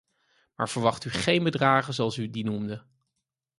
Maar verwacht u geen bedragen zoals u die noemde.